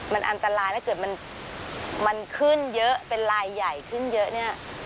มันอันตรายถ้าเกิดมันขึ้นเยอะเป็นลายใหญ่ขึ้นเยอะเนี่ย